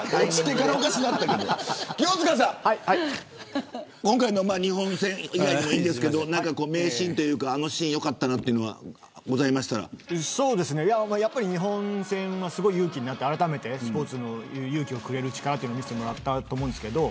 清塚さん、今回の日本戦以外でもいいですけど名シーンというかあのシーン、良かったというのが日本戦は、すごく勇気になってあらためてスポーツの勇気をくれる力を見せてもらったと思います。